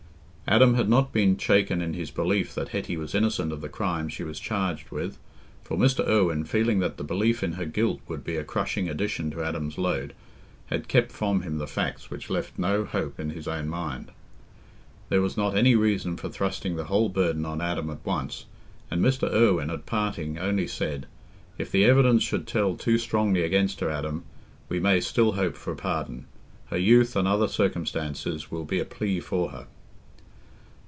Adam had not been shaken in his belief that Hetty was innocent of the crime she was charged with, for Mr. Irwine, feeling that the belief in her guilt would be a crushing addition to Adam's load, had kept from him the facts which left no hope in his own mind. There was not any reason for thrusting the whole burden on Adam at once, and Mr. Irwine, at parting, only said, "If the evidence should tell too strongly against her, Adam, we may still hope for a pardon. Her youth and other circumstances will be a plea for her."